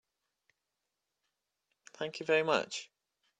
Thank you very much.